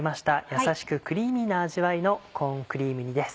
やさしくクリーミーな味わいのコーンクリーム煮です。